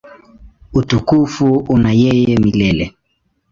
Utukufu una yeye milele.